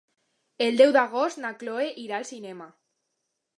El deu d'agost na Cloè irà al cinema.